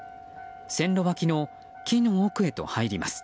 線路脇の木の奥へと入ります。